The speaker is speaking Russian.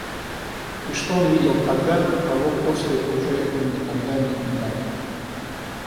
И что он видел тогда, того после уже он никогда не видал.